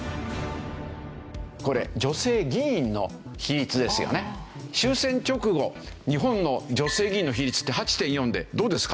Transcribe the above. これ終戦直後日本の女性議員の比率って８．４でどうですか？